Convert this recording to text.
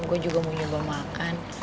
gue juga mau nyoba makan